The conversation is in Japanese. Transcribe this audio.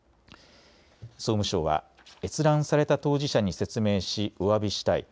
総務省は閲覧された当事者に説明し、おわびしたい。